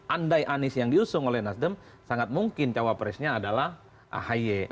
andai anies yang diusung oleh nasdem sangat mungkin cawapresnya adalah ahy